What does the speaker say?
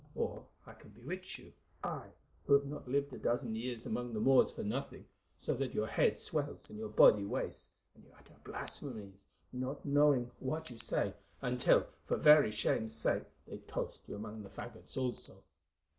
Or I can bewitch you, I, who have not lived a dozen years among the Moors for nothing, so that your head swells and your body wastes, and you utter blasphemies, not knowing what you say, until for very shame's sake they toast you among the faggots also."